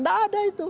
tidak ada itu